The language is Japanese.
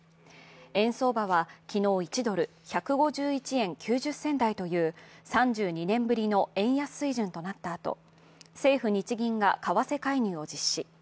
円相場は昨日、１ドル＝１５１円９０銭台という３２年ぶりの円安水準となったあと、政府・日銀が為替介入を実施。